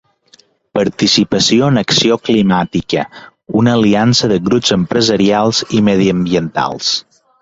Participació en acció climàtica, una aliança de grups empresarials i mediambientals.